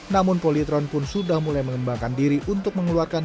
namun polytron pun sudah mulai mengembangkan diri untuk mengeluarkan